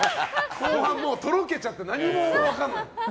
後半とろけちゃって何も分からない。